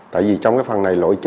tại vì trong cái phần này lội trừ